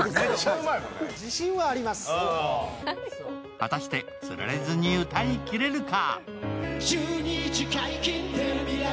果たして、つられずに歌いきれるか？